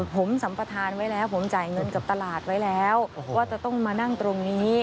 ผมสัมประธานไว้แล้วผมจ่ายเงินกับตลาดไว้แล้วว่าจะต้องมานั่งตรงนี้